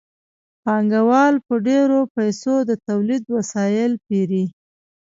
پانګوال په ډېرو پیسو د تولید وسایل پېري